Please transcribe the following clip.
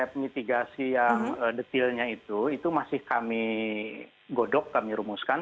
nah konsep mitigasi yang detilnya itu itu masih kami godok kami rumuskan